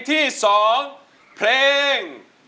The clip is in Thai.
ไม่ใช้